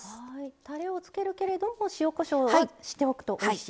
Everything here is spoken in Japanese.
たれをつけるけれども塩・こしょうはしておくとおいしい。